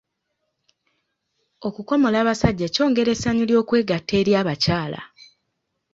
Okukomola abasajja kyongera essanyu ly'okwegatta eri abakyala.